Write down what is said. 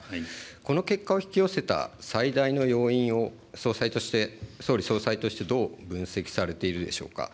この結果を引き寄せた、最大の要因を総裁として、総理総裁として、どう分析されているでしょうか。